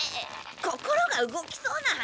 心が動きそうな話？